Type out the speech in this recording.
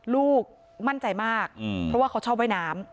ลูกมั่นใจมากเพราะว่าเขาชอบว่ายน้ำ